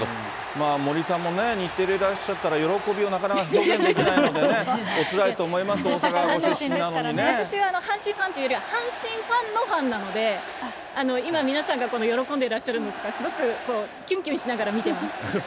まあ森さんもね、日テレいらっしゃったら喜びをなかなか表現できないのでね、おつらいと思います、私は阪神ファンというよりは、阪神ファンのファンなので、今皆さんがこの喜んでらっしゃるのをすごくきゅんきゅんしながら見てます。